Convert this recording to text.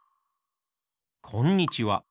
こんにちは。